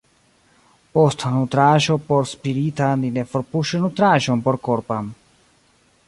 Post nutraĵo porspirita ni ne forpuŝu nutraĵon porkorpan.